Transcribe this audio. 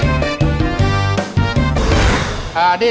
อาหารการกิน